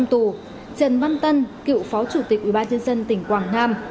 trần văn tân cựu phó chủ tịch ubnd tỉnh quảng nam